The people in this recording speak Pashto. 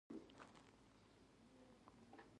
علم، ایمان او اتحاد مو وسلې دي.